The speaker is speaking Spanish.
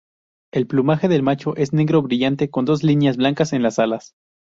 El plumaje del macho es negro brillante, con dos líneas blancas en las alas.